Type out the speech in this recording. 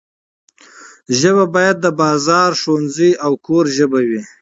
ژبه باید د بازار، ښوونځي او کور ژبه وي.